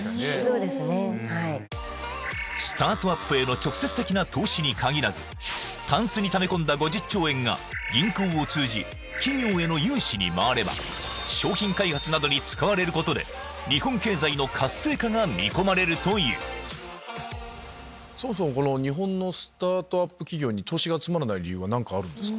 スタートアップへの直接的な投資に限らずタンスにため込んだ５０兆円が銀行を通じ企業への融資に回れば商品開発などに使われることでそもそも日本のスタートアップ企業に投資が集まらない理由は何かあるんですか？